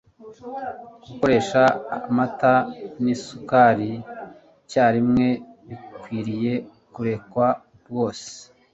Gukoresha amata nisukari icyarimwe bikwiriye kurekwa rwose